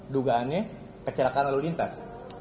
dugaannya kecelakaan lalu lintas